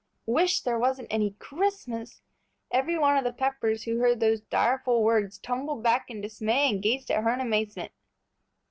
Wish there wasn't any Christmas! Every one of the Peppers who heard those direful words tumbled back in dismay and gazed at her in amazement.